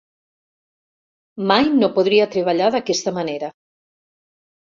Mai no podria treballar d'aquesta manera.